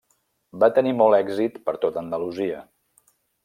Va tenir molt èxit per tot Andalusia.